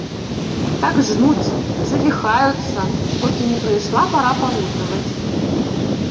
Так жнуць, завіхаюцца, покі не прыйшла пара палуднаваць.